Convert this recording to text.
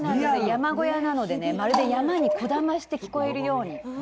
山小屋なので、まるで山にこだましているように。